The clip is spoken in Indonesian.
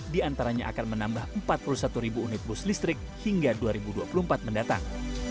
di antaranya akan menambah empat puluh satu ribu unit bus listrik hingga dua ribu dua puluh empat mendatang